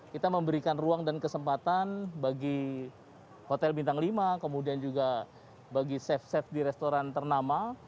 kita memberikan ruang dan kesempatan bagi hotel bintang lima kemudian juga bagi chef chef di restoran ternama